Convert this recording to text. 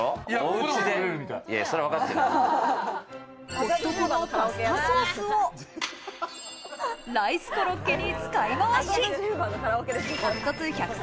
コストコのパスタソースをライスコロッケに使いまわし。